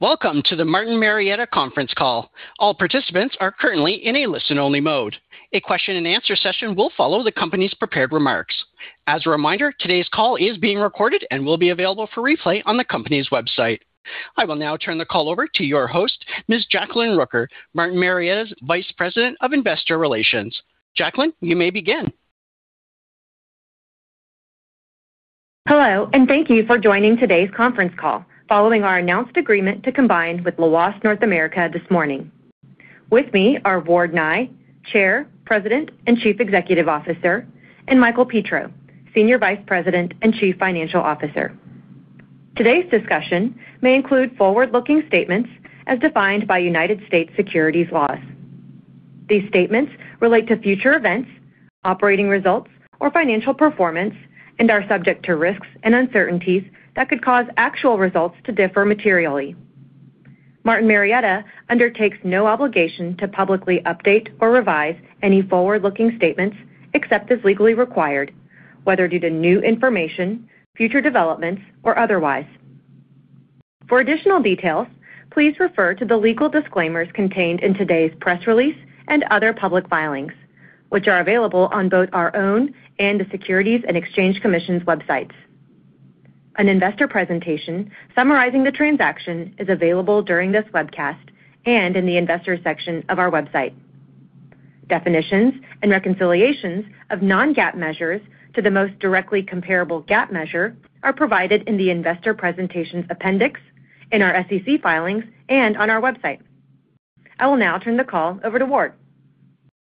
Welcome to the Martin Marietta conference call. All participants are currently in a listen-only mode. A question-and-answer session will follow the company's prepared remarks. As a reminder, today's call is being recorded and will be available for replay on the company's website. I will now turn the call over to your host, Ms. Jacklyn Rooker, Martin Marietta's Vice President of Investor Relations. Jacklyn, you may begin. Hello, thank you for joining today's conference call following our announced agreement to combine with Lhoist North America this morning. With me are Ward Nye, Chair, President, and Chief Executive Officer, and Michael Petro, Senior Vice President and Chief Financial Officer. Today's discussion may include forward-looking statements as defined by United States securities laws. These statements relate to future events, operating results, or financial performance and are subject to risks and uncertainties that could cause actual results to differ materially. Martin Marietta undertakes no obligation to publicly update or revise any forward-looking statements, except as legally required, whether due to new information, future developments, or otherwise. For additional details, please refer to the legal disclaimers contained in today's press release and other public filings, which are available on both our own and the Securities and Exchange Commission's websites. An investor presentation summarizing the transaction is available during this webcast and in the Investors section of our website. Definitions and reconciliations of non-GAAP measures to the most directly comparable GAAP measure are provided in the investor presentation appendix, in our SEC filings, and on our website. I will now turn the call over to Ward.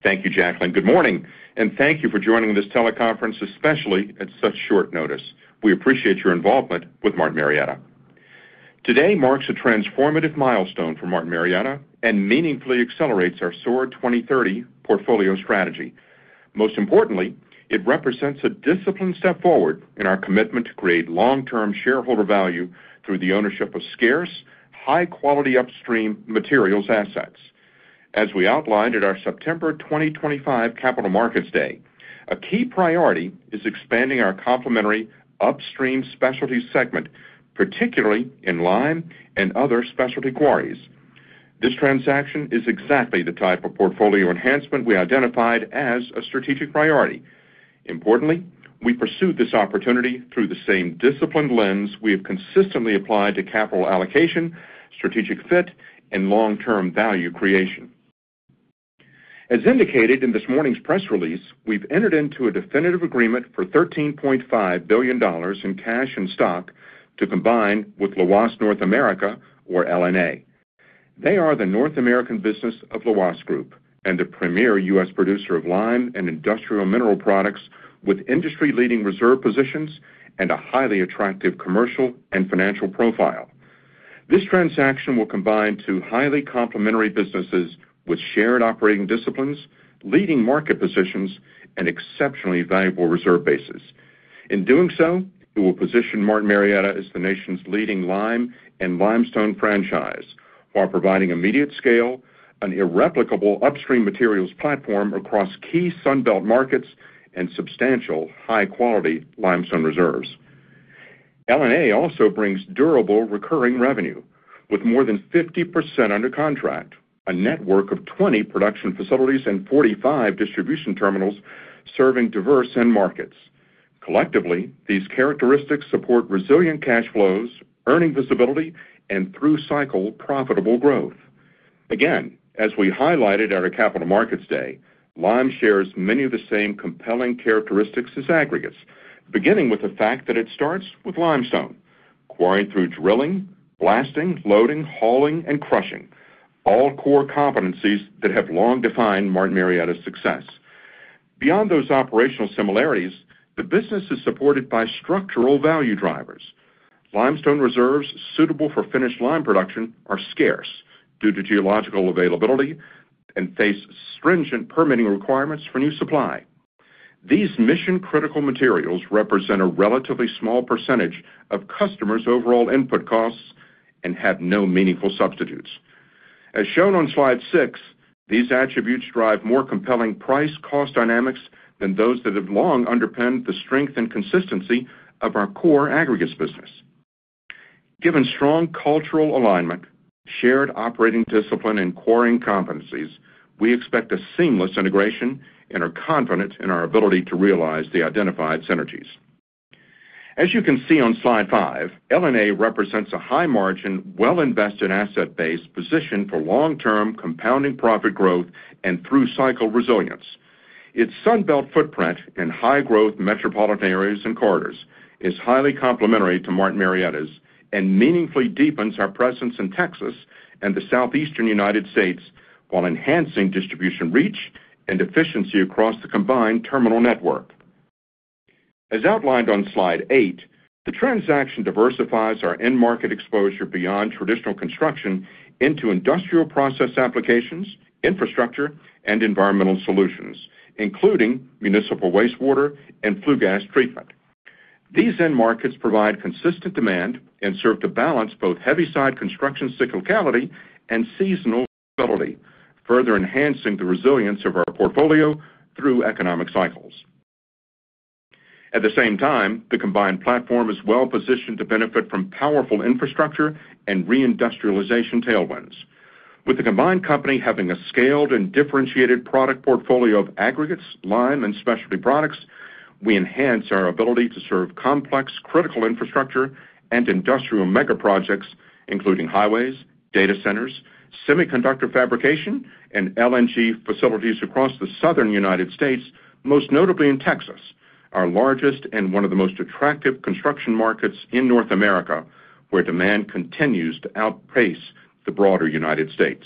Thank you, Jacklyn. Good morning, thank you for joining this teleconference, especially at such short notice. We appreciate your involvement with Martin Marietta. Today marks a transformative milestone for Martin Marietta and meaningfully accelerates our SOAR 2030 portfolio strategy. Most importantly, it represents a disciplined step forward in our commitment to create long-term shareholder value through the ownership of scarce, high-quality upstream materials assets. As we outlined at our September 2025 Capital Markets Day, a key priority is expanding our complementary upstream specialty segment, particularly in lime and other specialty quarries. This transaction is exactly the type of portfolio enhancement we identified as a strategic priority. Importantly, we pursued this opportunity through the same disciplined lens we have consistently applied to capital allocation, strategic fit, and long-term value creation. As indicated in this morning's press release, we've entered into a definitive agreement for $13.5 billion in cash and stock to combine with Lhoist North America, or LNA. They are the North American business of Lhoist Group and the premier U.S. producer of lime and industrial mineral products with industry-leading reserve positions and a highly attractive commercial and financial profile. This transaction will combine two highly complementary businesses with shared operating disciplines, leading market positions, and exceptionally valuable reserve bases. In doing so, it will position Martin Marietta as the nation's leading lime and limestone franchise while providing immediate scale, an irreplicable upstream materials platform across key Sun Belt markets, and substantial high-quality limestone reserves. LNA also brings durable recurring revenue with more than 50% under contract, a network of 20 production facilities and 45 distribution terminals serving diverse end markets. Collectively, these characteristics support resilient cash flows, earning visibility, and through cycle profitable growth. As we highlighted at our Capital Markets Day, lime shares many of the same compelling characteristics as aggregates, beginning with the fact that it starts with limestone, quarried through drilling, blasting, loading, hauling, and crushing, all core competencies that have long defined Martin Marietta's success. Beyond those operational similarities, the business is supported by structural value drivers. Limestone reserves suitable for finished lime production are scarce due to geological availability and face stringent permitting requirements for new supply. These mission-critical materials represent a relatively small percentage of customers' overall input costs and have no meaningful substitutes. As shown on slide six, these attributes drive more compelling price-cost dynamics than those that have long underpinned the strength and consistency of our core aggregates business. Given strong cultural alignment, shared operating discipline, and quarrying competencies, we expect a seamless integration and are confident in our ability to realize the identified synergies. As you can see on slide five, LNA represents a high margin, well-invested asset base positioned for long-term compounding profit growth and through cycle resilience. Its Sun Belt footprint in high growth metropolitan areas and corridors is highly complementary to Martin Marietta's and meaningfully deepens our presence in Texas and the southeastern United States while enhancing distribution reach and efficiency across the combined terminal network. As outlined on slide eight, the transaction diversifies our end market exposure beyond traditional construction into industrial process applications, infrastructure, and environmental solutions, including municipal wastewater and flue gas treatment. These end markets provide consistent demand and serve to balance both heavy side construction cyclicality and seasonal stability, further enhancing the resilience of our portfolio through economic cycles. At the same time, the combined platform is well-positioned to benefit from powerful infrastructure and re-industrialization tailwinds. With the combined company having a scaled and differentiated product portfolio of aggregates, lime, and specialty products, we enhance our ability to serve complex, critical infrastructure and industrial mega projects, including highways, data centers, semiconductor fabrication, and LNG facilities across the Southern United States, most notably in Texas, our largest and one of the most attractive construction markets in North America, where demand continues to outpace the broader United States.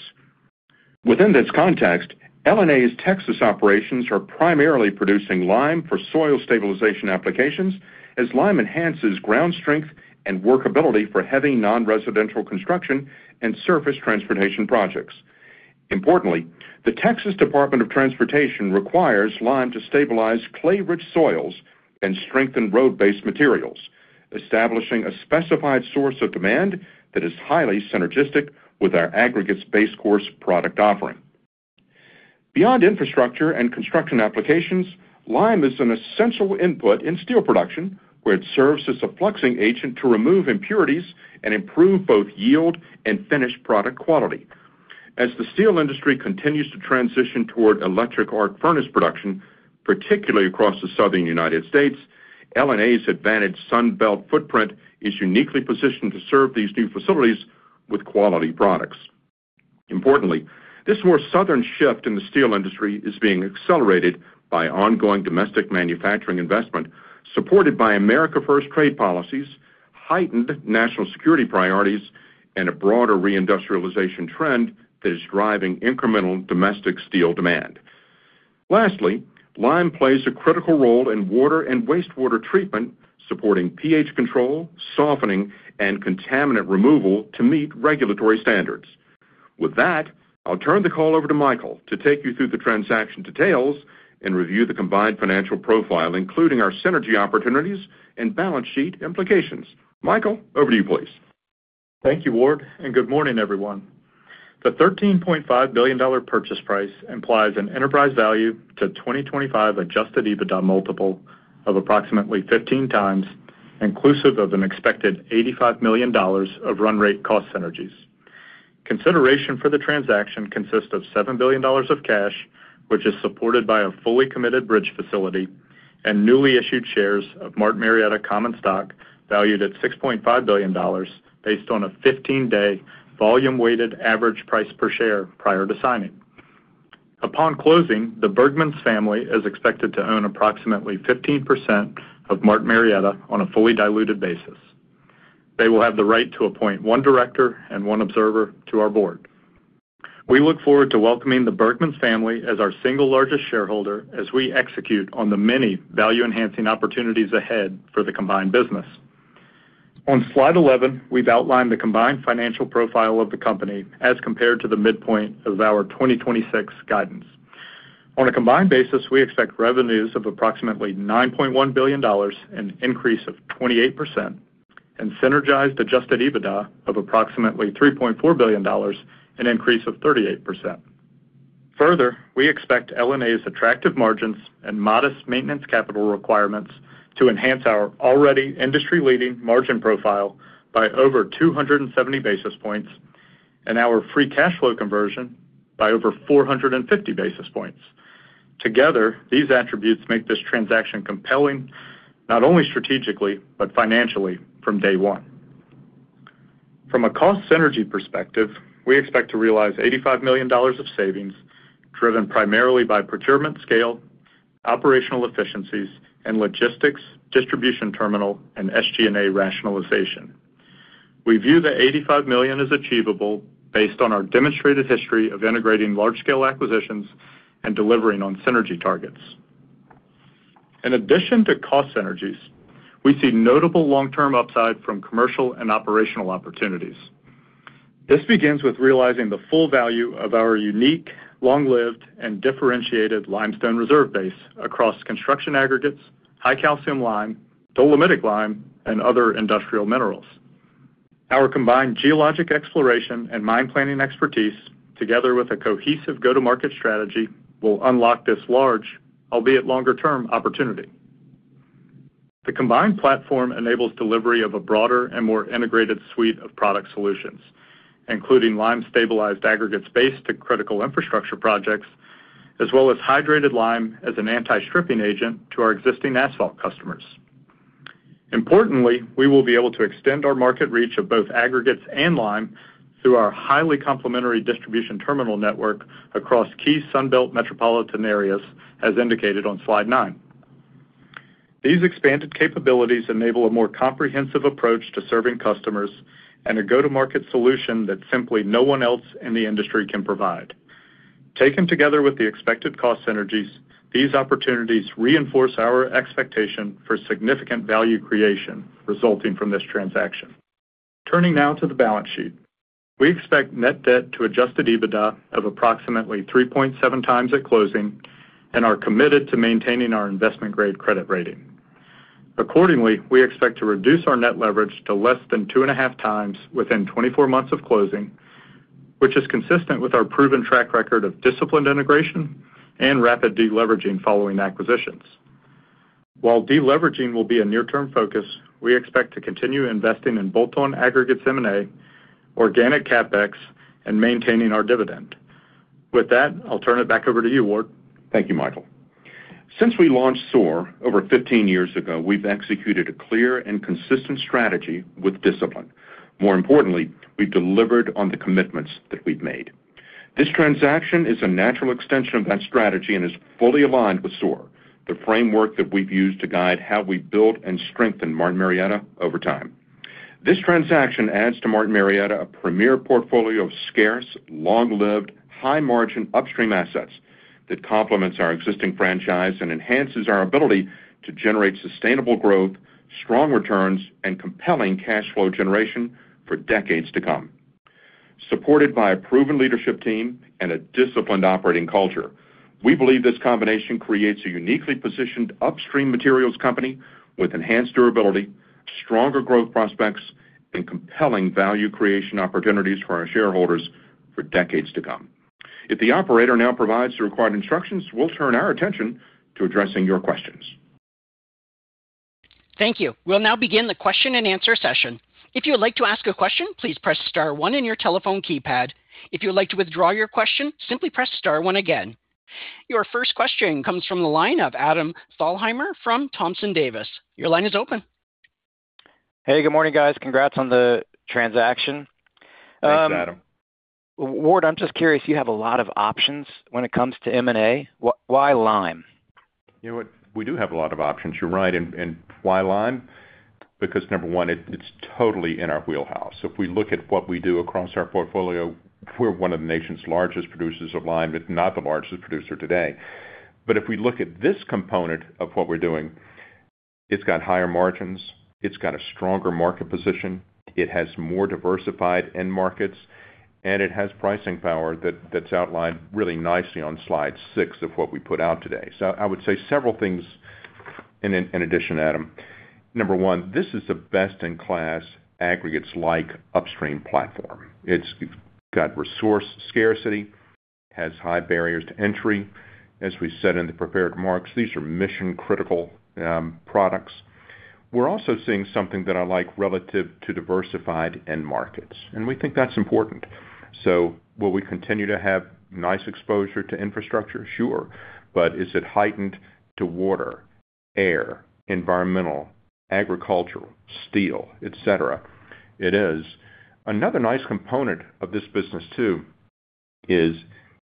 Within this context, LNA's Texas operations are primarily producing lime for soil stabilization applications as lime enhances ground strength and workability for heavy non-residential construction and surface transportation projects. Importantly, the Texas Department of Transportation requires lime to stabilize clay-rich soils and strengthen road base materials, establishing a specified source of demand that is highly synergistic with our aggregates base course product offering. Beyond infrastructure and construction applications, lime is an essential input in steel production, where it serves as a fluxing agent to remove impurities and improve both yield and finished product quality. As the steel industry continues to transition toward electric arc furnace production, particularly across the Southern United States, LNA's advantaged Sun Belt footprint is uniquely positioned to serve these new facilities with quality products. Importantly, this more southern shift in the steel industry is being accelerated by ongoing domestic manufacturing investment supported by America First trade policies, heightened national security priorities, and a broader re-industrialization trend that is driving incremental domestic steel demand. Lastly, lime plays a critical role in water and wastewater treatment, supporting pH control, softening, and contaminant removal to meet regulatory standards. With that, I'll turn the call over to Michael to take you through the transaction details and review the combined financial profile, including our synergy opportunities and balance sheet implications. Michael, over to you, please. Thank you, Ward. Good morning, everyone. The $13.5 billion purchase price implies an enterprise value to 2025 adjusted EBITDA multiple of approximately 15x, inclusive of an expected $85 million of run rate cost synergies. Consideration for the transaction consists of $7 billion of cash, which is supported by a fully committed bridge facility and newly issued shares of Martin Marietta common stock valued at $6.5 billion based on a 15-day volume weighted average price per share prior to signing. Upon closing, the Berghmans family is expected to own approximately 15% of Martin Marietta on a fully diluted basis. They will have the right to appoint one director and one observer to our board. We look forward to welcoming the Berghmans family as our single largest shareholder as we execute on the many value-enhancing opportunities ahead for the combined business. On slide 11, we've outlined the combined financial profile of the company as compared to the midpoint of our 2026 guidance. On a combined basis, we expect revenues of approximately $9.1 billion, an increase of 28%, and synergized adjusted EBITDA of approximately $3.4 billion, an increase of 38%. Further, we expect LNA's attractive margins and modest maintenance capital requirements to enhance our already industry-leading margin profile by over 270 basis points and our free cash flow conversion by over 450 basis points. Together, these attributes make this transaction compelling, not only strategically, but financially from day one. From a cost synergy perspective, we expect to realize $85 million of savings driven primarily by procurement scale, operational efficiencies, and logistics, distribution terminal, and SG&A rationalization. We view the $85 million as achievable based on our demonstrated history of integrating large-scale acquisitions and delivering on synergy targets. In addition to cost synergies, we see notable long-term upside from commercial and operational opportunities. This begins with realizing the full value of our unique, long-lived, and differentiated limestone reserve base across construction aggregates, high calcium lime, dolomitic lime, and other industrial minerals. Our combined geologic exploration and mine planning expertise, together with a cohesive go-to-market strategy, will unlock this large, albeit longer term, opportunity. The combined platform enables delivery of a broader and more integrated suite of product solutions, including lime-stabilized aggregates base to critical infrastructure projects, as well as hydrated lime as an anti-stripping agent to our existing asphalt customers. Importantly, we will be able to extend our market reach of both aggregates and lime through our highly complementary distribution terminal network across key Sun Belt metropolitan areas, as indicated on slide nine. These expanded capabilities enable a more comprehensive approach to serving customers and a go-to-market solution that simply no one else in the industry can provide. Taken together with the expected cost synergies, these opportunities reinforce our expectation for significant value creation resulting from this transaction. Turning now to the balance sheet. We expect net debt to adjusted EBITDA of approximately 3.7x at closing and are committed to maintaining our investment-grade credit rating. Accordingly, we expect to reduce our net leverage to less than 2.5x Within 24 months of closing which is consistent with our proven track record of disciplined integration and rapid deleveraging following acquisitions. While deleveraging will be a near-term focus, we expect to continue investing in bolt-on aggregates M&A, organic CapEx, and maintaining our dividend. With that, I'll turn it back over to you, Ward. Thank you, Michael. Since we launched SOAR over 15 years ago, we've executed a clear and consistent strategy with discipline. More importantly, we've delivered on the commitments that we've made. This transaction is a natural extension of that strategy and is fully aligned with SOAR, the framework that we've used to guide how we build and strengthen Martin Marietta over time. This transaction adds to Martin Marietta a premier portfolio of scarce, long-lived, high margin upstream assets that complements our existing franchise and enhances our ability to generate sustainable growth, strong returns, and compelling cash flow generation for decades to come. Supported by a proven leadership team and a disciplined operating culture, we believe this combination creates a uniquely positioned upstream materials company with enhanced durability, stronger growth prospects, and compelling value creation opportunities for our shareholders for decades to come. If the operator now provides the required instructions, we'll turn our attention to addressing your questions. Thank you. We'll now begin the question and answer session. If you would like to ask a question, please press star one on your telephone keypad. If you would like to withdraw your question, simply press star one again. Your first question comes from the line of Adam Thalhimer from Thompson Davis. Your line is open. Hey, good morning, guys. Congrats on the transaction. Thanks, Adam. Ward, I'm just curious, you have a lot of options when it comes to M&A. Why lime? You know what, we do have a lot of options, you're right. Why lime? Because number one, it's totally in our wheelhouse. If we look at what we do across our portfolio, we're one of the nation's largest producers of lime, but not the largest producer today. If we look at this component of what we're doing, it's got higher margins, it's got a stronger market position, it has more diversified end markets, and it has pricing power that's outlined really nicely on slide six of what we put out today. I would say several things in addition, Adam. Number one, this is the best in class aggregates like upstream platform. It's got resource scarcity, has high barriers to entry. As we said in the prepared remarks, these are mission critical products. We're also seeing something that I like relative to diversified end markets, and we think that's important. Will we continue to have nice exposure to infrastructure? Sure. Is it heightened to water, air, environmental, agricultural, steel, et cetera? It is. Another nice component of this business too is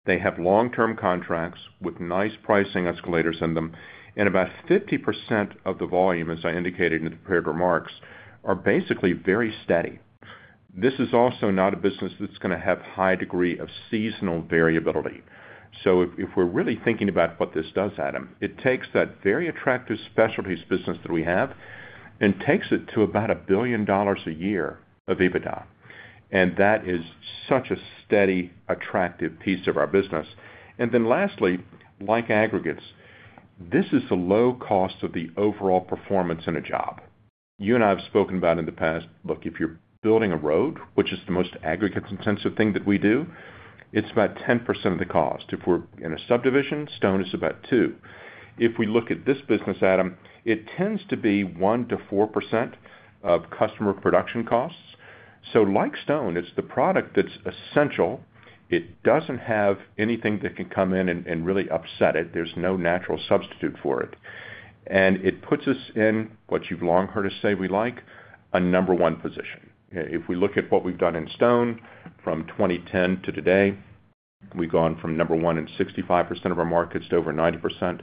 they have long-term contracts with nice pricing escalators in them. About 50% of the volume, as I indicated in the prepared remarks, are basically very steady. This is also not a business that's gonna have high degree of seasonal variability. If we're really thinking about what this does, Adam, it takes that very attractive specialties business that we have and takes it to about $1 billion a year of EBITDA. That is such a steady, attractive piece of our business. Lastly, like aggregates, this is the low cost of the overall performance in a job. You and I have spoken about in the past, look, if you're building a road, which is the most aggregates intensive thing that we do, it's about 10% of the cost. If we're in a subdivision, stone is about two. If we look at this business, Adam, it tends to be 1%-4% of customer production costs. Like stone, it's the product that's essential. It doesn't have anything that can come in and really upset it. There's no natural substitute for it. It puts us in what you've long heard us say we like, a number one position. If we look at what we've done in stone from 2010 to today, we've gone from number one in 65% of our markets to over 90%.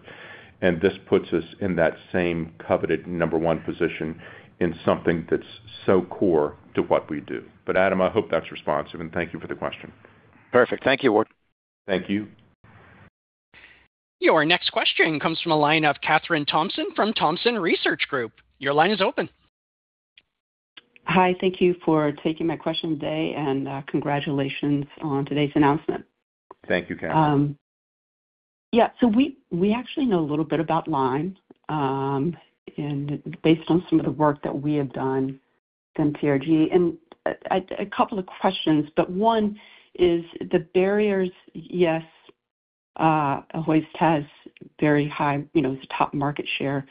This puts us in that same coveted number one position in something that's so core to what we do. Adam, I hope that's responsive, and thank you for the question. Perfect. Thank you, Ward. Thank you. Your next question comes from the line of Kathryn Thompson from Thompson Research Group. Your line is open. Hi, thank you for taking my question today. Congratulations on today's announcement. Thank you, Kathryn. We actually know a little bit about lime, and based on some of the work that we have done in TRG. A couple of questions, but one is the barriers, yes, Lhoist has very high top market share,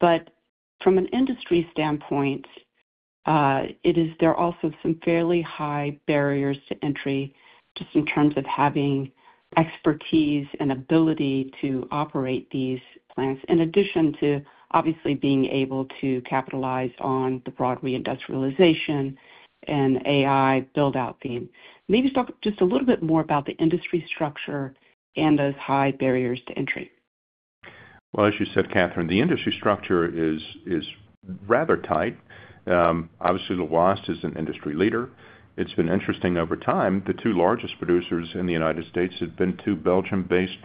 but from an industry standpoint, there are also some fairly high barriers to entry just in terms of having expertise and ability to operate these plants, in addition to obviously being able to capitalize on the broad reindustrialization and AI build-out theme. Maybe talk just a little bit more about the industry structure and those high barriers to entry. Well, as you said, Kathryn, the industry structure is rather tight. Obviously, Lhoist is an industry leader. It's been interesting over time. The two largest producers in the United States have been two Belgium-based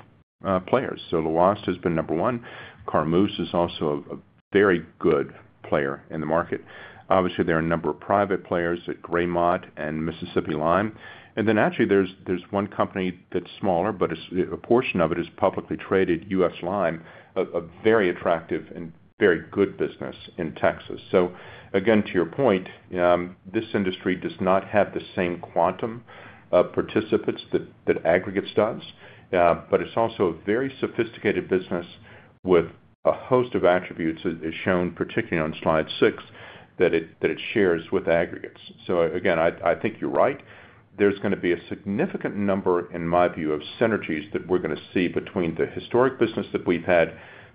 players. Lhoist has been number one. Carmeuse is also a very good player in the market. Obviously, there are a number of private players at Graymont and Mississippi Lime. Then actually there's one company that's smaller, but a portion of it is publicly traded, U.S. Lime, a very attractive and very good business in Texas. Again, to your point, this industry does not have the same quantum of participants that aggregates does. It's also a very sophisticated business with a host of attributes, as shown particularly on slide six, that it shares with aggregates. Again, I think you're right. There's going to be a significant number, in my view, of synergies that we're going to see between the historic business that we've had,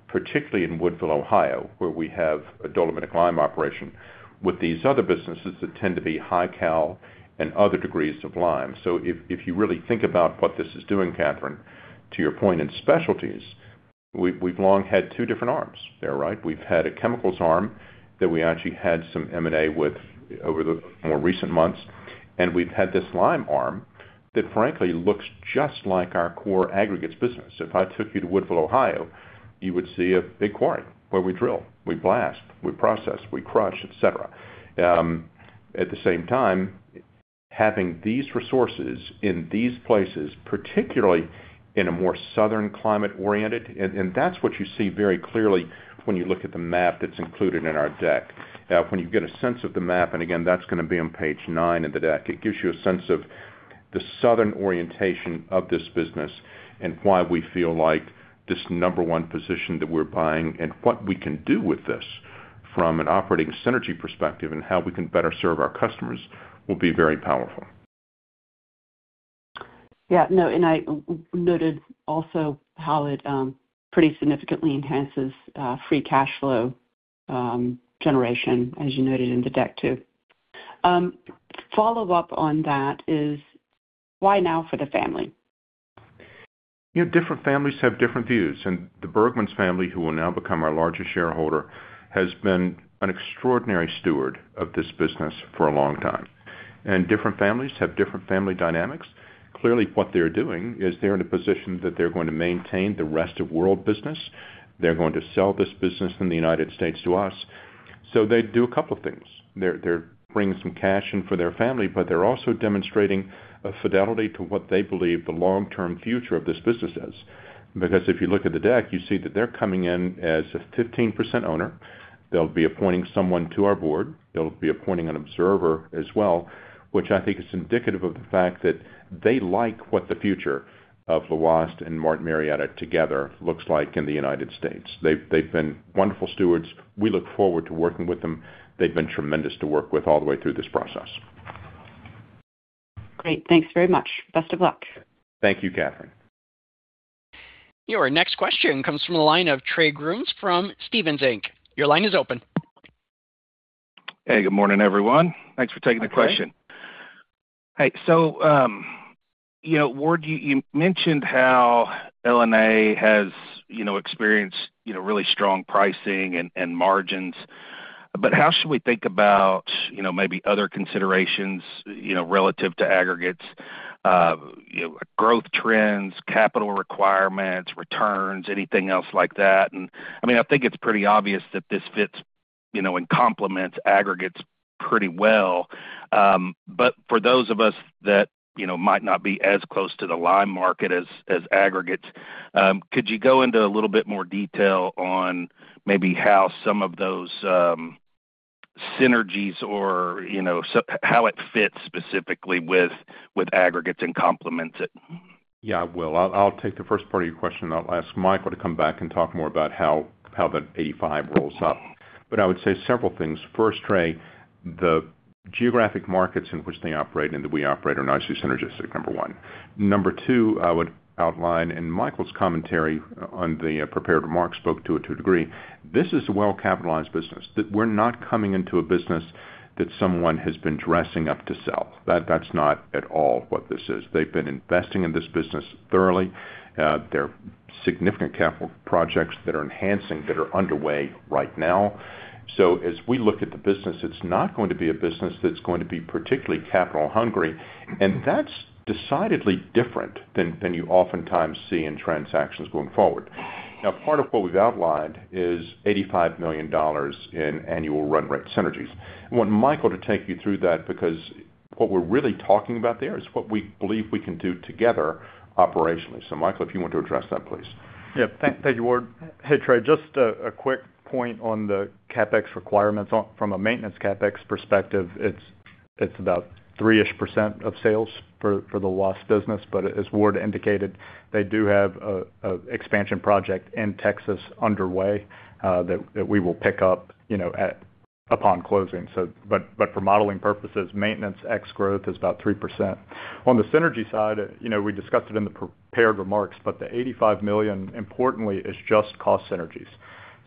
particularly in Woodville, Ohio, where we have a dolomitic lime operation, with these other businesses that tend to be high cal and other degrees of lime. If you really think about what this is doing, Kathryn, to your point in specialties, we've long had two different arms there, right? We've had a chemicals arm that we actually had some M&A with over the more recent months, and we've had this lime arm that frankly looks just like our core aggregates business. If I took you to Woodville, Ohio, you would see a big quarry where we drill, we blast, we process, we crush, et cetera. At the same time, having these resources in these places, particularly in a more southern climate oriented, and that's what you see very clearly when you look at the map that's included in our deck. When you get a sense of the map, and again, that's going to be on page nine of the deck, it gives you a sense of the southern orientation of this business and why we feel like this number one position that we're buying and what we can do with this from an operating synergy perspective and how we can better serve our customers will be very powerful. Yeah. No, I noted also how it pretty significantly enhances free cash flow generation, as you noted in the deck too. Follow-up on that is why now for the family? Different families have different views, and the Berghmans family, who will now become our largest shareholder, has been an extraordinary steward of this business for a long time. Different families have different family dynamics. Clearly, what they're doing is they're in a position that they're going to maintain the rest of world business. They're going to sell this business in the United States to us. They do a couple of things. They're bringing some cash in for their family, but they're also demonstrating a fidelity to what they believe the long-term future of this business is. If you look at the deck, you see that they're coming in as a 15% owner. They'll be appointing someone to our board. They'll be appointing an observer as well, which I think is indicative of the fact that they like what the future of Lhoist and Martin Marietta together looks like in the United States. They've been wonderful stewards. We look forward to working with them. They've been tremendous to work with all the way through this process. Great. Thanks very much. Best of luck. Thank you, Kathryn. Your next question comes from the line of Trey Grooms from Stephens Inc. Your line is open. Hey, good morning, everyone. Thanks for taking the question. Hi, Trey. Hey, Ward, you mentioned how LNA has experienced really strong pricing and margins, how should we think about maybe other considerations relative to aggregates, growth trends, capital requirements, returns, anything else like that? I think it's pretty obvious that this fits and complements aggregates pretty well. For those of us that might not be as close to the lime market as aggregates, could you go into a little bit more detail on maybe how some of those synergies or how it fits specifically with aggregates and complements it? Yeah, I will. I'll take the first part of your question, then I'll ask Michael to come back and talk more about how that 85 rolls up. I would say several things. First, Trey, the geographic markets in which they operate and that we operate are nicely synergistic, number one. Number two, I would outline, and Michael's commentary on the prepared remarks spoke to it to a degree. This is a well-capitalized business. That we're not coming into a business that someone has been dressing up to sell. That's not at all what this is. They've been investing in this business thoroughly. There are significant capital projects that are enhancing that are underway right now. As we look at the business, it's not going to be a business that's going to be particularly capital hungry, and that's decidedly different than you oftentimes see in transactions going forward. Now, part of what we've outlined is $85 million in annual run rate synergies. I want Michael to take you through that because what we're really talking about there is what we believe we can do together operationally. Michael, if you want to address that, please. Thank you, Ward. Hey, Trey, just a quick point on the CapEx requirements. From a maintenance CapEx perspective, it's about 3-ish% of sales for the Lhoist business. As Ward indicated, they do have an expansion project in Texas underway that we will pick up upon closing. For modeling purposes, maintenance ex growth is about 3%. On the synergy side, we discussed it in the prepared remarks, but the $85 million, importantly, is just cost synergies.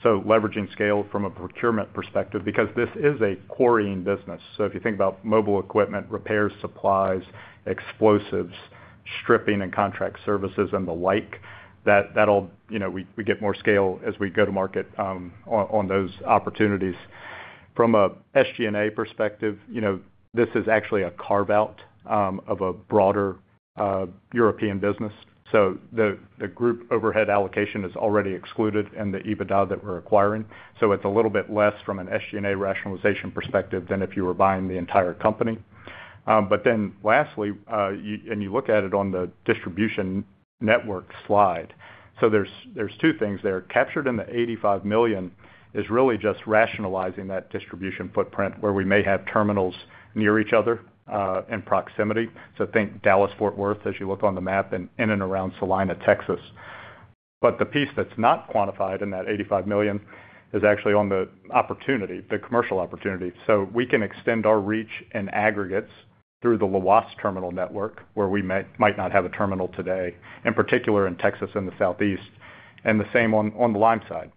Leveraging scale from a procurement perspective, because this is a quarrying business. If you think about mobile equipment, repairs, supplies, explosives, stripping and contract services and the like, we get more scale as we go to market on those opportunities. From an SG&A perspective, this is actually a carve-out of a broader European business. The group overhead allocation is already excluded in the EBITDA that we're acquiring. it's a little bit less from an SG&A rationalization perspective than if you were buying the entire company. Lastly, and you look at it on the distribution network slide. There's two things there. Captured in the $85 million is really just rationalizing that distribution footprint where we may have terminals near each other in proximity. Think Dallas-Fort Worth as you look on the map and in and around Selma, Texas. The piece that's not quantified in that $85 million is actually on the commercial opportunity. We can extend our reach in aggregates through the Lhoist terminal network where we might not have a terminal today, in particular in Texas and the Southeast, and the same on the lime side,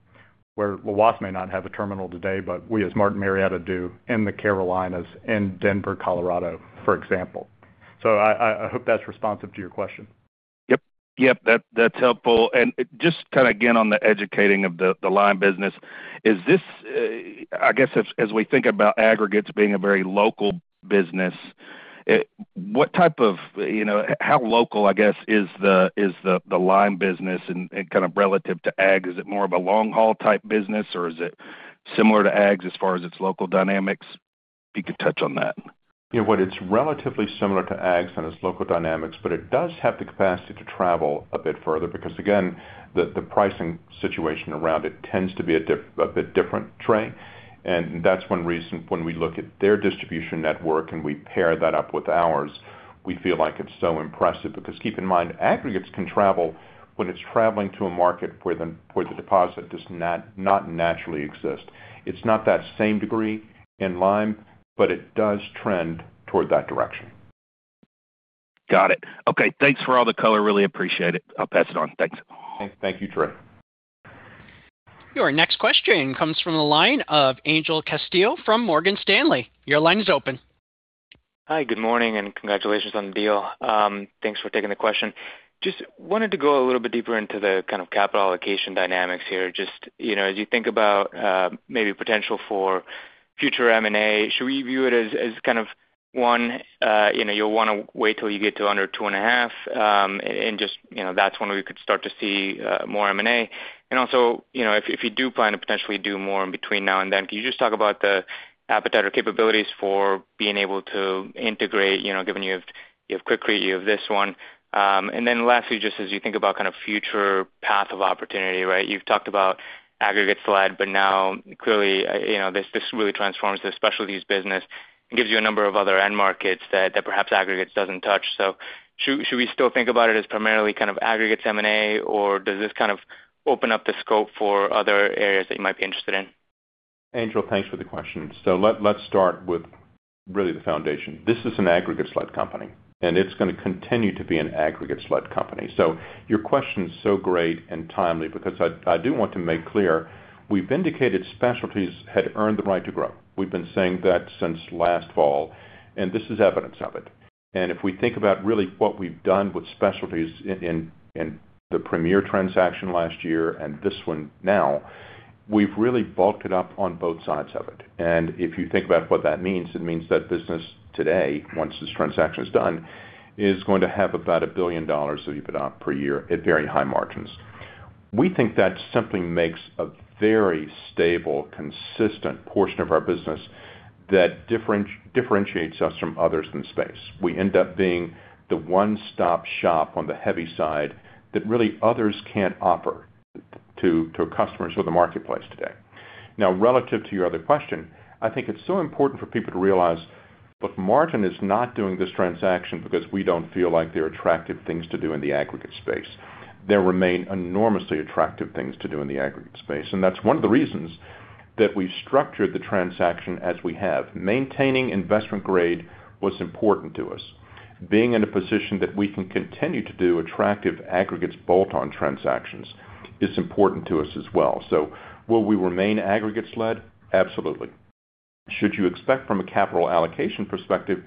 where Lhoist may not have a terminal today, but we as Martin Marietta do in the Carolinas and Denver, Colorado, for example. I hope that's responsive to your question. Yep. That's helpful. Just kind of again on the educating of the lime business, I guess as we think about aggregates being a very local business, how local, I guess, is the lime business and kind of relative to agg, is it more of a long haul type business or is it similar to agg as far as its local dynamics? If you could touch on that. Yeah. It's relatively similar to agg and its local dynamics, but it does have the capacity to travel a bit further because, again, the pricing situation around it tends to be a bit different, Trey. That's one reason when we look at their distribution network and we pair that up with ours, we feel like it's so impressive because keep in mind, aggregates can travel when it's traveling to a market where the deposit does not naturally exist. It's not that same degree in lime, but it does trend toward that direction. Got it. Okay. Thanks for all the color, really appreciate it. I'll pass it on. Thanks. Thank you, Trey. Your next question comes from the line of Angel Castillo from Morgan Stanley. Your line is open. Hi, good morning and congratulations on the deal. Thanks for taking the question. Wanted to go a little bit deeper into the kind of capital allocation dynamics here. As you think about maybe potential for future M&A, should we view it as kind of 1, you'll want to wait till you get to under 2.5, and just that's when we could start to see more M&A. Also, if you do plan to potentially do more in between now and then, can you just talk about the appetite or capabilities for being able to integrate, given you have Quikrete, you have this one. Lastly, just as you think about kind of future path of opportunity, right? You've talked about aggregate slide, now clearly, this really transforms the specialties business and gives you a number of other end markets that perhaps aggregates doesn't touch. Should we still think about it as primarily kind of aggregates M&A or does this kind of open up the scope for other areas that you might be interested in? Angel, thanks for the question. Let's start with really the foundation. This is an aggregates-led company, it's going to continue to be an aggregates-led company. Your question is so great and timely because I do want to make clear, we've indicated specialties had earned the right to grow. We've been saying that since last fall, this is evidence of it. If we think about really what we've done with specialties in the Premier transaction last year and this one now, we've really bulked it up on both sides of it. If you think about what that means, it means that business today, once this transaction is done, is going to have about $1 billion of EBITDA per year at very high margins. We think that simply makes a very stable, consistent portion of our business that differentiates us from others in the space. We end up being the one-stop shop on the heavy side that really others can't offer to customers or the marketplace today. Relative to your other question, I think it's so important for people to realize, look, Martin is not doing this transaction because we don't feel like there are attractive things to do in the aggregate space. There remain enormously attractive things to do in the aggregate space, that's one of the reasons that we structured the transaction as we have. Maintaining investment grade was important to us. Being in a position that we can continue to do attractive aggregates bolt-on transactions is important to us as well. Will we remain aggregates led? Absolutely. Should you expect from a capital allocation perspective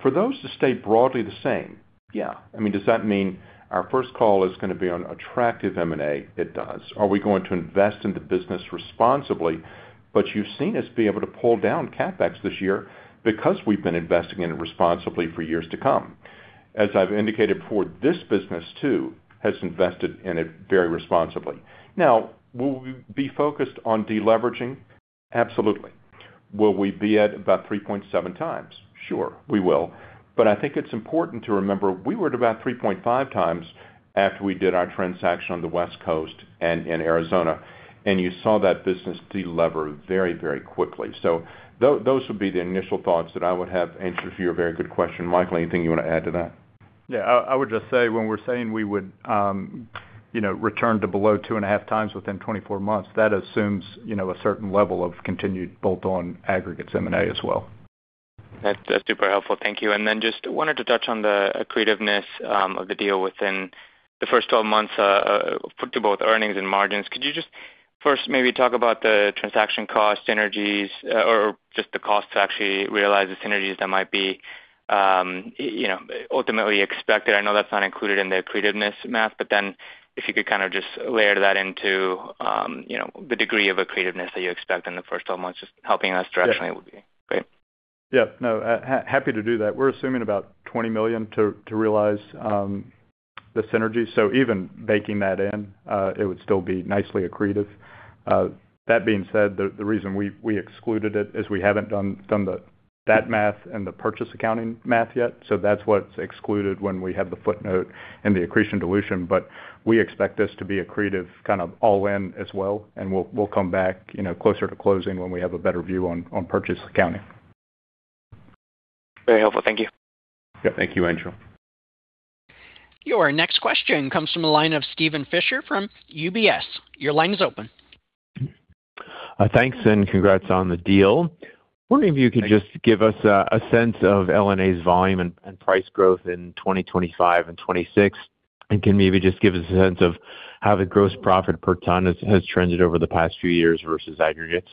for those to stay broadly the same? Yeah. I mean, does that mean our first call is going to be on attractive M&A? It does. Are we going to invest in the business responsibly? You've seen us be able to pull down CapEx this year because we've been investing in it responsibly for years to come. As I've indicated before, this business too, has invested in it very responsibly. Will we be focused on deleveraging? Absolutely. Will we be at about 3.7x? Sure, we will. I think it's important to remember we were at about 3.5x after we did our transaction on the West Coast and in Arizona, you saw that business delever very quickly. Those would be the initial thoughts that I would have, Angel, for your very good question. Michael, anything you want to add to that? Yeah. I would just say when we're saying we would return to below 2.5x within 24 months, that assumes a certain level of continued bolt-on aggregates M&A as well. That's super helpful. Thank you. Just wanted to touch on the accretiveness of the deal within the first 12 months for both earnings and margins. Could you just first maybe talk about the transaction cost synergies or just the cost to actually realize the synergies that might be ultimately expected? I know that's not included in the accretiveness math, if you could kind of just layer that into the degree of accretiveness that you expect in the first 12 months, just helping us directionally would be great. Yeah, no, happy to do that. We're assuming about $20 million to realize the synergy. Even baking that in, it would still be nicely accretive. That being said, the reason we excluded it is we haven't done that math and the purchase accounting math yet. That's what's excluded when we have the footnote and the accretion dilution. We expect this to be accretive, kind of all-in as well, and we'll come back closer to closing when we have a better view on purchase accounting. Very helpful. Thank you. Yeah, thank you, Angel. Your next question comes from the line of Steven Fisher from UBS. Your line is open. Thanks, and congrats on the deal. Wondering if you could just give us a sense of LNA's volume and price growth in 2025 and 2026. Can maybe just give us a sense of how the gross profit per ton has trended over the past few years versus aggregates?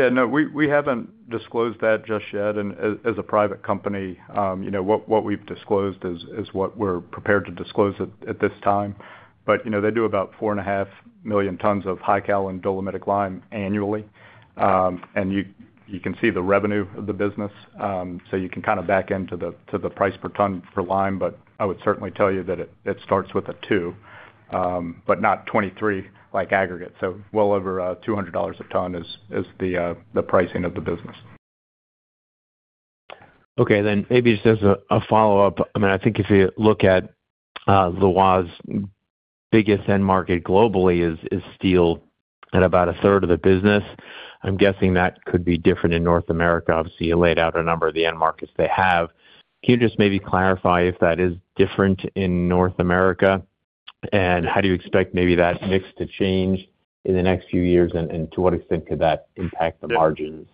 Yeah, no, we haven't disclosed that just yet. As a private company, what we've disclosed is what we're prepared to disclose at this time. They do about 4.5 million tons of high-calcium and dolomitic lime annually. You can see the revenue of the business, so you can kind of back into the price per ton for lime. I would certainly tell you that it starts with a two, but not 23 like aggregate. Well over $200 a ton is the pricing of the business. Okay, maybe just as a follow-up. I think if you look at the largest, biggest end market globally is steel at about 1/3 of the business. I'm guessing that could be different in North America. Obviously, you laid out a number of the end markets they have. Can you just maybe clarify if that is different in North America, and how do you expect maybe that mix to change in the next few years, and to what extent could that impact the margins?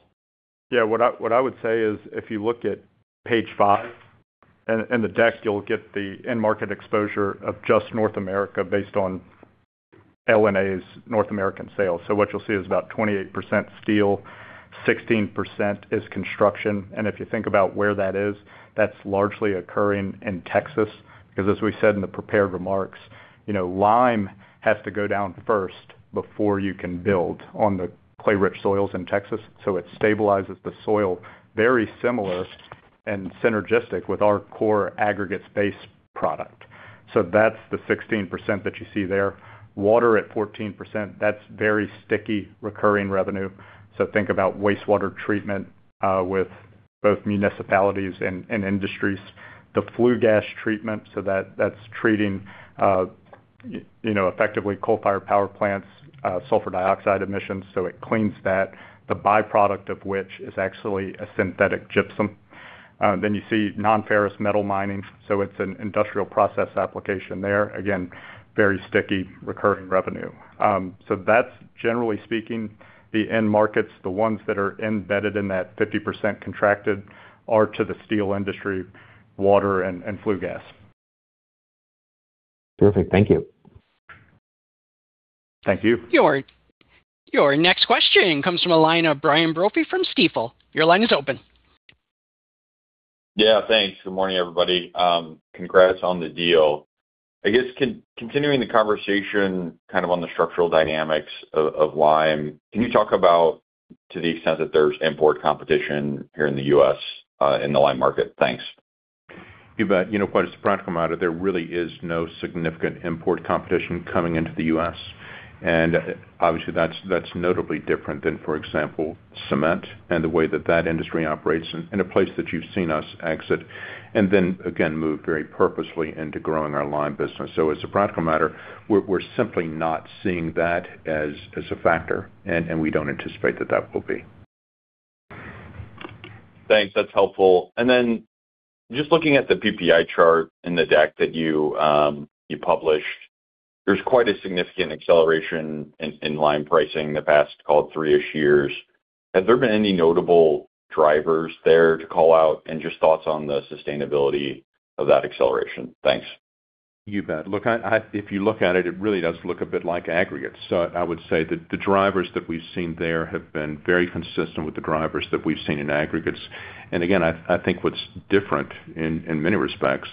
Yeah, what I would say is, if you look at page five in the deck, you'll get the end market exposure of just North America based on LNA's North American sales. What you'll see is about 28% steel, 16% is construction. If you think about where that is, that's largely occurring in Texas, because as we said in the prepared remarks, lime has to go down first before you can build on the clay-rich soils in Texas. It stabilizes the soil, very similar and synergistic with our core aggregates-based product. That's the 16% that you see there. Water at 14%, that's very sticky, recurring revenue. Think about wastewater treatment with both municipalities and industries. The flue gas treatment, that's treating effectively coal-fired power plants, sulfur dioxide emissions. It cleans that, the byproduct of which is actually a synthetic gypsum. You see non-ferrous metal mining. It's an industrial process application there. Again, very sticky, recurring revenue. That's generally speaking, the end markets, the ones that are embedded in that 50% contracted are to the steel industry, water, and flue gas. Perfect. Thank you. Thank you. Your next question comes from a line of Brian Brophy from Stifel. Your line is open. Yeah, thanks. Good morning, everybody. Congrats on the deal. Continuing the conversation on the structural dynamics of lime. Can you talk about, to the extent that there's import competition here in the U.S. in the lime market? Thanks. You bet. Quite as a practical matter, there really is no significant import competition coming into the U.S., and obviously that's notably different than, for example, cement and the way that that industry operates, and a place that you've seen us exit and then again, move very purposefully into growing our lime business. As a practical matter, we're simply not seeing that as a factor, and we don't anticipate that that will be. Thanks. That's helpful. Just looking at the PPI chart in the deck that you published, there's quite a significant acceleration in lime pricing the past, call it, three-ish years. Has there been any notable drivers there to call out and just thoughts on the sustainability of that acceleration? Thanks. You bet. If you look at it really does look a bit like aggregates. I would say that the drivers that we've seen there have been very consistent with the drivers that we've seen in aggregates. I think what's different in many respects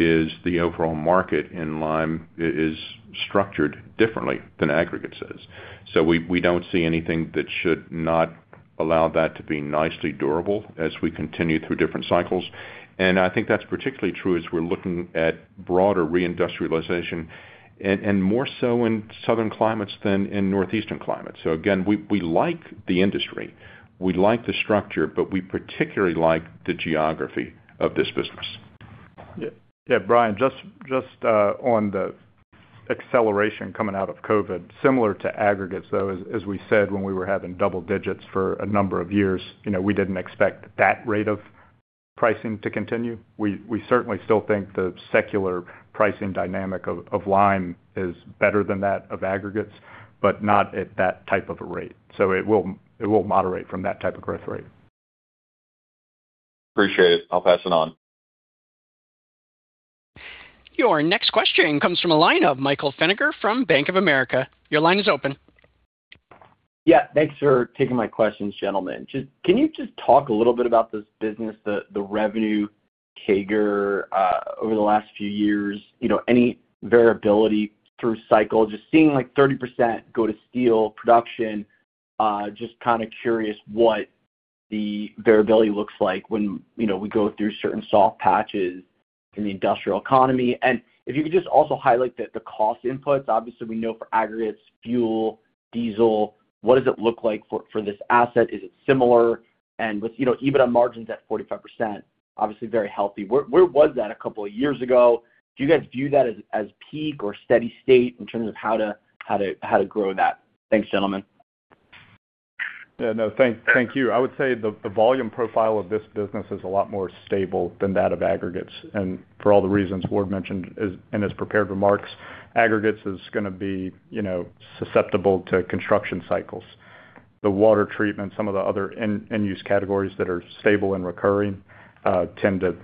is the overall market in lime is structured differently than aggregates is. We don't see anything that should not allow that to be nicely durable as we continue through different cycles. I think that's particularly true as we're looking at broader reindustrialization, and more so in southern climates than in northeastern climates. We like the industry, we like the structure, but we particularly like the geography of this business. Yeah, Brian, just on the acceleration coming out of COVID, similar to aggregates, though, as we said, when we were having double digits for a number of years, we didn't expect that rate of pricing to continue. We certainly still think the secular pricing dynamic of lime is better than that of aggregates, but not at that type of a rate. It will moderate from that type of growth rate. Appreciate it. I'll pass it on. Your next question comes from a line of Michael Feniger from Bank of America. Your line is open. Yeah, thanks for taking my questions, gentlemen. Can you just talk a little bit about this business, the revenue CAGR over the last few years, any variability through cycle, just seeing 30% go to steel production, just curious what the variability looks like when we go through certain soft patches in the industrial economy. If you could just also highlight the cost inputs. Obviously, we know for aggregates, fuel, diesel. What does it look like for this asset? Is it similar? And with EBITDA margins at 45%, obviously very healthy. Where was that a couple of years ago? Do you guys view that as peak or steady state in terms of how to grow that? Thanks, gentlemen. Yeah, no. Thank you. I would say the volume profile of this business is a lot more stable than that of aggregates. For all the reasons Ward mentioned in his prepared remarks, aggregates is going to be susceptible to construction cycles. The water treatment, some of the other end-use categories that are stable and recurring, tend to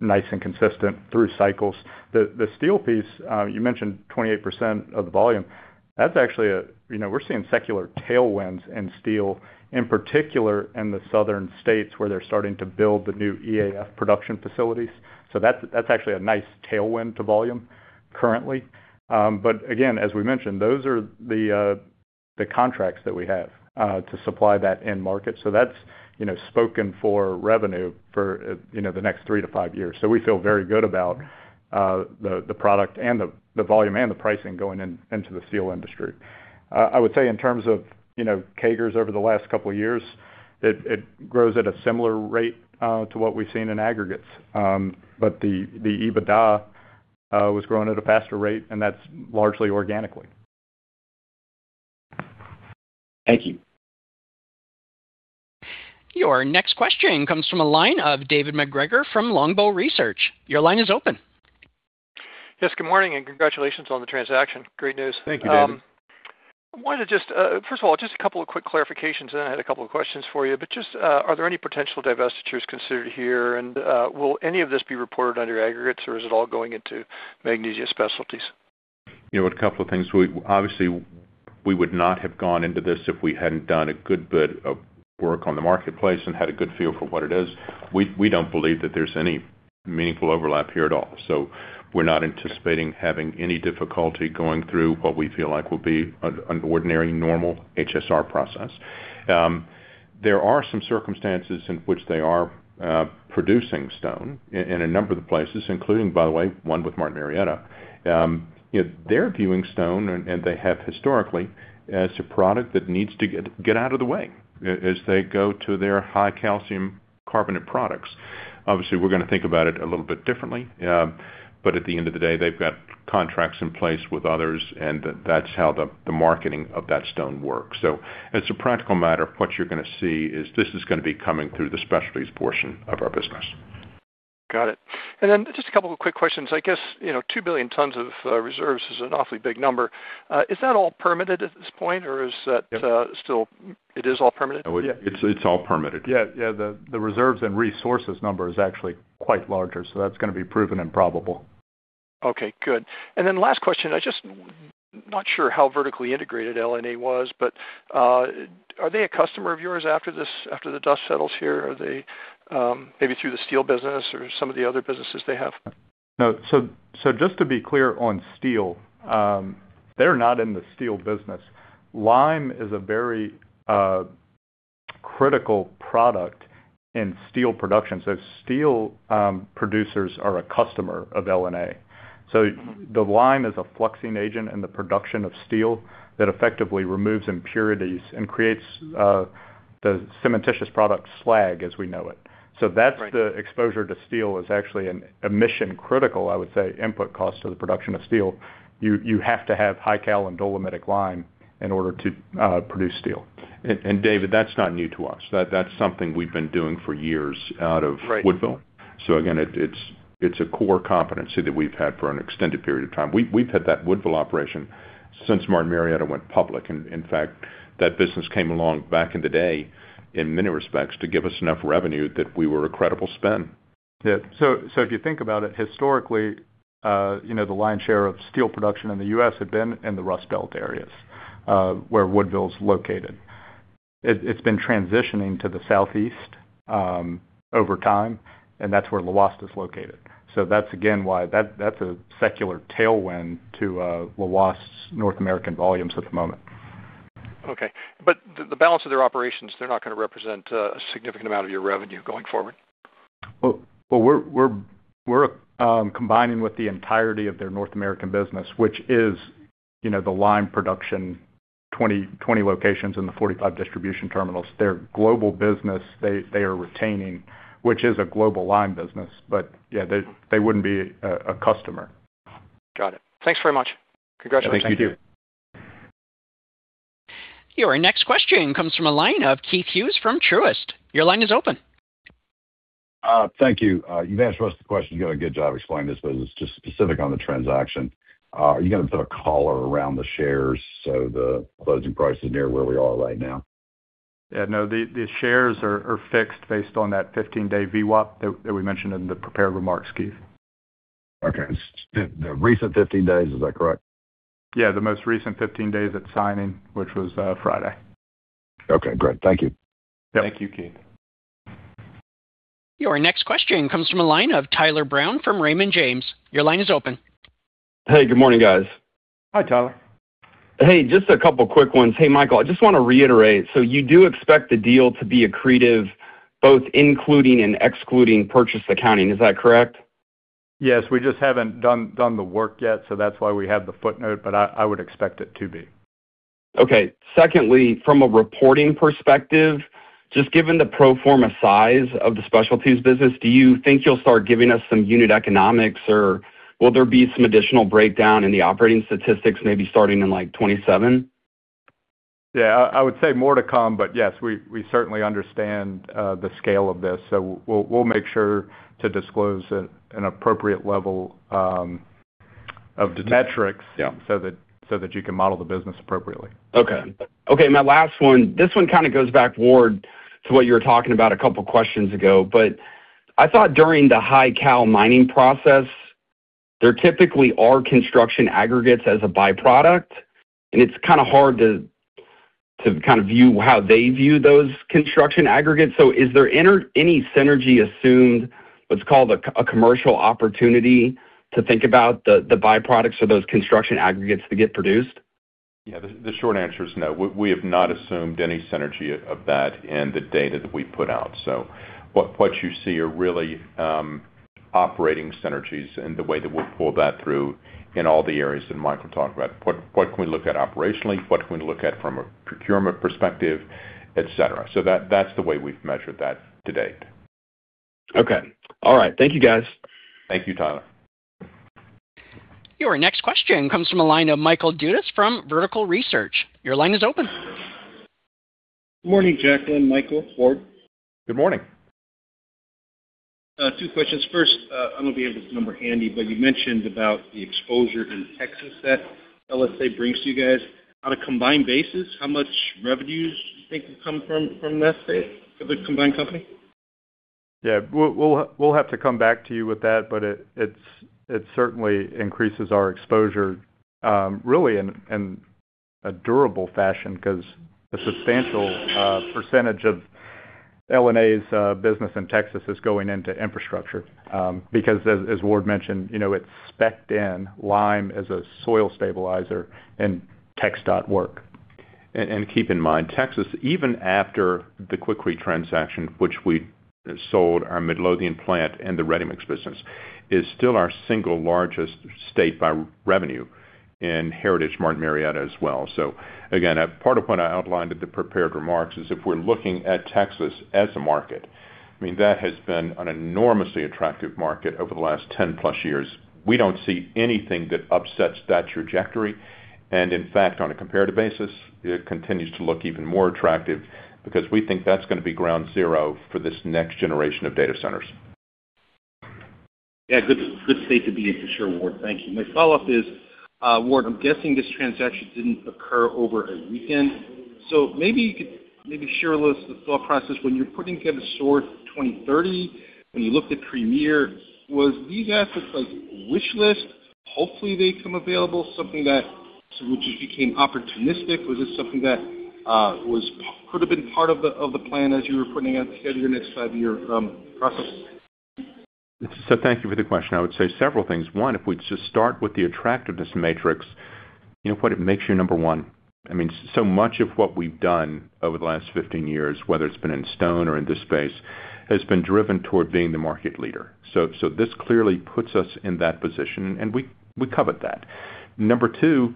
nice and consistent through cycles. The steel piece, you mentioned 28% of the volume. We're seeing secular tailwinds in steel, in particular in the southern states where they're starting to build the new EAF production facilities. That's actually a nice tailwind to volume currently. Again, as we mentioned, those are the contracts that we have to supply that end market. That's spoken for revenue for the next three to five years. We feel very good about the product and the volume and the pricing going into the steel industry. I would say in terms of CAGRs over the last couple of years, it grows at a similar rate to what we've seen in aggregates. The EBITDA was growing at a faster rate, and that's largely organically. Thank you. Your next question comes from the line of David MacGregor from Longbow Research. Your line is open. Yes, good morning, and congratulations on the transaction. Great news. Thank you, David. I wanted to just, first of all, just a couple of quick clarifications, then I had a couple of questions for you. Just are there any potential divestitures considered here, and will any of this be reported under aggregates, or is it all going into Magnesia Specialties? A couple of things. Obviously, we would not have gone into this if we hadn't done a good bit of work on the marketplace and had a good feel for what it is. We don't believe that there's any meaningful overlap here at all. We're not anticipating having any difficulty going through what we feel like will be an ordinary, normal HSR process. There are some circumstances in which they are producing stone in a number of the places, including, by the way, one with Martin Marietta. They're viewing stone, and they have historically, as a product that needs to get out of the way as they go to their high calcium carbonate products. Obviously, we're going to think about it a little bit differently. At the end of the day, they've got contracts in place with others, and that's how the marketing of that stone works. As a practical matter, what you're going to see is this is going to be coming through the Specialties portion of our business. Got it. Just a couple of quick questions. I guess 2 billion tons of reserves is an awfully big number. Is that all permitted at this point, or is that Yeah. It is all permitted? Yeah. It's all permitted. The reserves and resources number is actually quite larger, so that's going to be proven and probable. Okay, good. Last question. I'm just not sure how vertically integrated LNA was, are they a customer of yours after the dust settles here? Are they maybe through the steel business or some of the other businesses they have? No. Just to be clear on steel, they're not in the steel business. Lime is a very critical product in steel production, steel producers are a customer of LNA. The lime is a fluxing agent in the production of steel that effectively removes impurities and creates the cementitious product slag as we know it. Right. That's the exposure to steel is actually a mission critical, I would say, input cost to the production of steel. You have to have high-cal and dolomitic lime in order to produce steel. David, that's not new to us. That's something we've been doing for years out of- Right Woodville. Again, it's a core competency that we've had for an extended period of time. We've had that Woodville operation since Martin Marietta went public. In fact, that business came along back in the day, in many respects, to give us enough revenue that we were a credible spin. Yeah. If you think about it, historically the lion's share of steel production in the U.S. had been in the Rust Belt areas, where Woodville's located. It's been transitioning to the Southeast over time, and that's where Lhoist is located. That's again why that's a secular tailwind to Lhoist's North American volumes at the moment. The balance of their operations, they're not going to represent a significant amount of your revenue going forward? We're combining with the entirety of their North American business, which is the lime production, 20 locations and the 45 distribution terminals. Their global business they are retaining, which is a global lime business. Yeah, they wouldn't be a customer. Got it. Thanks very much. Congratulations. Thank you. Your next question comes from a line of Keith Hughes from Truist. Your line is open. Thank you. You've answered most of the questions. You've done a good job explaining this, but it's just specific on the transaction. Are you going to put a collar around the shares so the closing price is near where we are right now? No, the shares are fixed based on that 15-day VWAP that we mentioned in the prepared remarks, Keith. Okay. The recent 15 days, is that correct? Yeah, the most recent 15 days at signing, which was Friday. Okay, great. Thank you. Yep. Thank you, Keith. Your next question comes from the line of Tyler Brown from Raymond James. Your line is open. Hey, good morning, guys. Hi, Tyler. Hey, just a couple quick ones. Hey, Michael, I just want to reiterate. You do expect the deal to be accretive, both including and excluding purchase accounting. Is that correct? Yes. We just haven't done the work yet, so that's why we have the footnote. I would expect it to be. Okay. Secondly, from a reporting perspective, just given the pro forma size of the specialties business, do you think you'll start giving us some unit economics, or will there be some additional breakdown in the operating statistics, maybe starting in like 2027? Yeah. I would say more to come, but yes, we certainly understand the scale of this. We'll make sure to disclose an appropriate level of metrics- Yeah That you can model the business appropriately. Okay. My last one, this one kind of goes backward to what you were talking about a couple of questions ago, but I thought during the high-cal mining process, there typically are construction aggregates as a byproduct. It's kind of hard to view how they view those construction aggregates. Is there any synergy assumed, what's called a commercial opportunity to think about the byproducts or those construction aggregates that get produced? Yeah, the short answer is no. We have not assumed any synergy of that in the data that we've put out. What you see are really operating synergies and the way that we pull that through in all the areas that Michael talked about. What can we look at operationally? What can we look at from a procurement perspective, et cetera. That's the way we've measured that to date. Okay. All right. Thank you, guys. Thank you, Tyler. Your next question comes from a line of Michael Dudas from Vertical Research. Your line is open. Good morning, Jacklyn, Michael, Ward. Good morning. Two questions. First, I don't have this number handy, but you mentioned about the exposure in Texas that LNA brings to you guys. On a combined basis, how much revenues do you think will come from that state for the combined company? Yeah. We'll have to come back to you with that, but it certainly increases our exposure, really in a durable fashion, because a substantial percentage of LNA's business in Texas is going into infrastructure. Because as Ward mentioned, it's spec'd in lime as a soil stabilizer in TxDOT work. Keep in mind, Texas, even after the Quikrete transaction, which we sold our Midlothian plant and the ready mix business, is still our single largest state by revenue in Heritage Martin Marietta as well. Again, part of what I outlined at the prepared remarks is if we're looking at Texas as a market, I mean, that has been an enormously attractive market over the last 10+ years. We don't see anything that upsets that trajectory. In fact, on a comparative basis, it continues to look even more attractive because we think that's going to be ground zero for this next generation of data centers. Yeah, good state to be in for sure, Ward. Thank you. My follow-up is, Ward, I'm guessing this transaction didn't occur over a weekend, maybe you could share a little of the thought process when you're putting together SOAR 2030, when you looked at Premier, was these assets like a wish list, hopefully they become available, something that just became opportunistic? Was this something that could have been part of the plan as you were putting together your next five-year process? Thank you for the question. I would say several things. One, if we just start with the attractiveness matrix, you know what? It makes you number one. I mean, so much of what we've done over the last 15 years, whether it's been in stone or in this space, has been driven toward being the market leader. This clearly puts us in that position, and we covet that. Number two,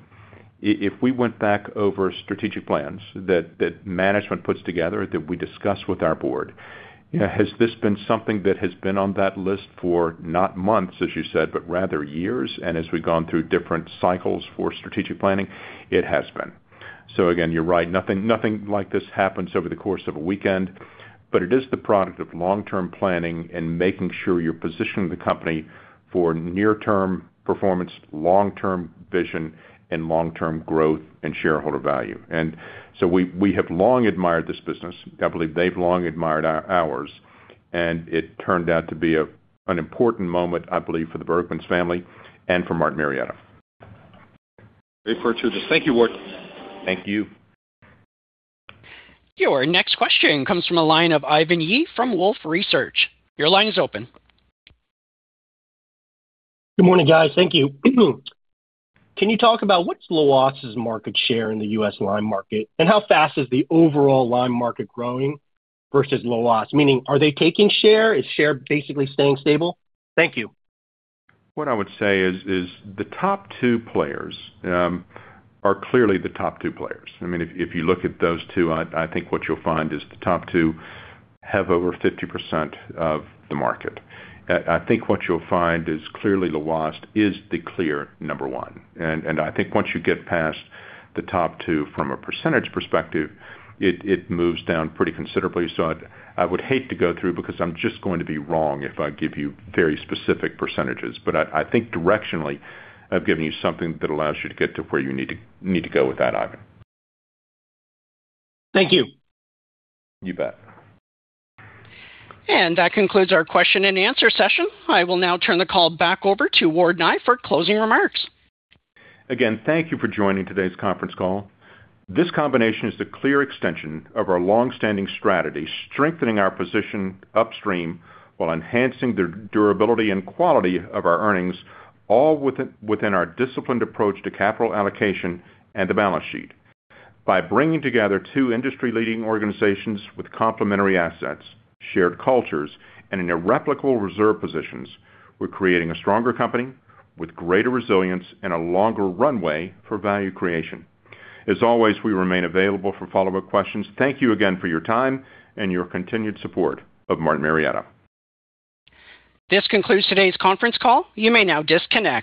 if we went back over strategic plans that management puts together, that we discuss with our board, has this been something that has been on that list for not months, as you said, but rather years? As we've gone through different cycles for strategic planning, it has been. Again, you're right. Nothing like this happens over the course of a weekend. It is the product of long-term planning and making sure you're positioning the company for near-term performance, long-term vision, and long-term growth and shareholder value. We have long admired this business. I believe they've long admired ours, and it turned out to be an important moment, I believe, for the Berghmans family and for Martin Marietta. Great partnership. Thank you, Ward. Thank you. Your next question comes from the line of Ivan Yi from Wolfe Research. Your line is open. Good morning, guys. Thank you. Can you talk about what's Lhoist's market share in the U.S. lime market, and how fast is the overall lime market growing versus Lhoist? Meaning, are they taking share? Is share basically staying stable? Thank you. What I would say is the top two players are clearly the top two players. I mean, if you look at those two, I think what you'll find is the top two have over 50% of the market. I think what you'll find is clearly Lhoist is the clear number one. I think once you get past the top two from a percentage perspective, it moves down pretty considerably. I would hate to go through because I'm just going to be wrong if I give you very specific percentages. I think directionally, I've given you something that allows you to get to where you need to go with that, Ivan. Thank you. You bet. That concludes our question and answer session. I will now turn the call back over to Ward Nye for closing remarks. Again, thank you for joining today's conference call. This combination is the clear extension of our long-standing strategy, strengthening our position upstream while enhancing the durability and quality of our earnings, all within our disciplined approach to capital allocation and the balance sheet. By bringing together two industry leading organizations with complementary assets, shared cultures, and irreplicable reserve positions, we're creating a stronger company with greater resilience and a longer runway for value creation. As always, we remain available for follow-up questions. Thank you again for your time and your continued support of Martin Marietta. This concludes today's conference call. You may now disconnect.